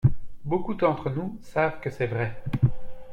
Beaucoup d’entre nous savent que c’est vrai.